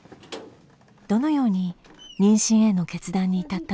どのように妊娠への決断に至ったのか。